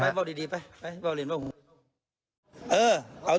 ไปบ้าวดีไปไปบ้าวเรียนบ้าว